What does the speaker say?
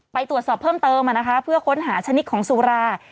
ไปตรวจสอบเพิ่มเติมเพื่อค้นหาชนิดของสุรา